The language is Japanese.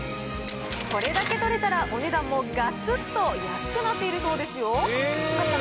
これだけ取れたらお値段もがつっと安くなっているそうですよ。